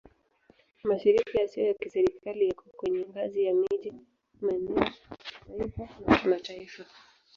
Mashirika yasiyo ya Kiserikali yako kwenye ngazi ya miji, maeneo, kitaifa na kimataifa.